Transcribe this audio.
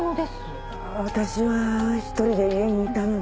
私は１人で家にいたので。